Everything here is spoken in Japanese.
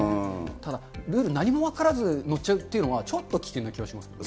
ただルール、何も分からず乗っちゃうっていうのは、ちょっと危険な気はしますよね。